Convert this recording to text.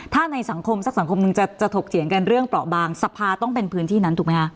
ถ้าในสังคมสักสังคมหนึ่งจะถกเถียงกันเรื่องเปราะบางสภาต้องเป็นพื้นที่นั้นถูกไหมคะ